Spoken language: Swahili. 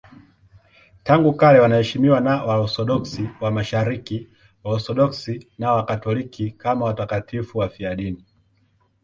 Tangu kale wanaheshimiwa na Waorthodoksi wa Mashariki, Waorthodoksi na Wakatoliki kama watakatifu wafiadini.